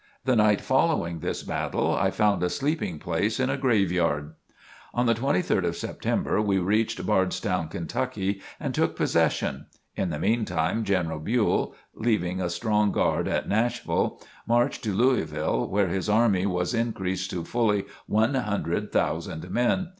The night following this battle I found a sleeping place in a graveyard. On the 23rd of September we reached Bardstown, Kentucky, and took possession. In the meantime General Buell, leaving a strong guard at Nashville, marched to Louisville where his army was increased to fully one hundred thousand men.